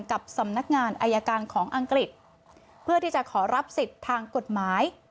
กับสำนักงานอายการของอังกฤษเพื่อที่จะขอรับสิทธิ์ทางกฎหมาย